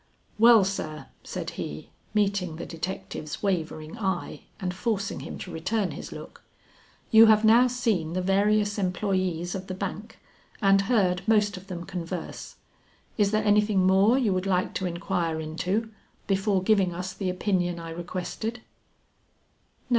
"Well, sir," said he, meeting the detective's wavering eye and forcing him to return his look, "you have now seen the various employees of the bank and heard most of them converse. Is there anything more you would like to inquire into before giving us the opinion I requested?"